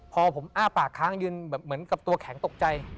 พอผมอ้าปากค้างยืนเหมือนกับตัวแข็งตกใจ